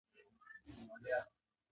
سیلابونه د افغانانو د معیشت سرچینه ده.